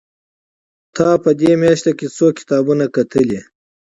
تا په دې مياشت کې څو کتابونه کتلي دي؟